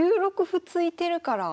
歩突いてるから。